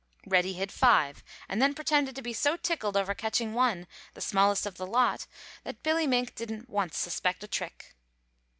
Reddy hid five and then pretended to be so tickled over catching one, the smallest of the lot, that Billy Mink didn't once suspect a trick.